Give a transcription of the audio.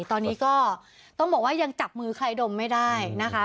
ตอนนี้ก็ต้องบอกว่ายังจับมือใครดมไม่ได้นะคะ